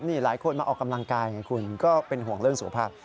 นี่หลายคนมาออกกำลังกายไงคุณก็เป็นห่วงเรื่องสุขภาพ